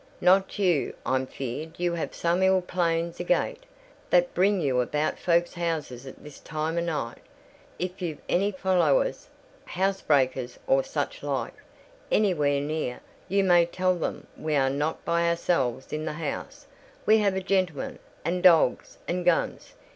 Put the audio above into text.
"Not you. I'm fear'd you have some ill plans agate, that bring you about folk's houses at this time o' night. If you've any followers—housebreakers or such like—anywhere near, you may tell them we are not by ourselves in the house; we have a gentleman, and dogs, and guns."